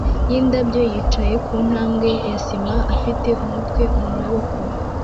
yindabyo yicaye kuntambwe ya sima afite umutwe mumaboko